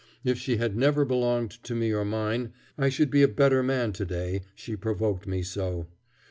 If she had never belonged to me or mine, I should be a better man to day; she provoked me so.